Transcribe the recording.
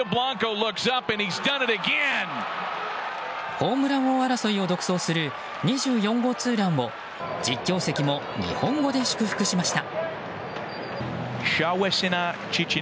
ホームラン王争いを独走する２４号ツーランを実況席も日本語で祝福しました。